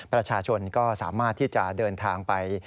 ประชาชนก็สามารถที่จะเดินทางไป